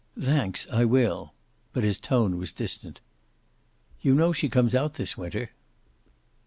"Thanks, I will." But his tone was distant. "You know she comes out this winter."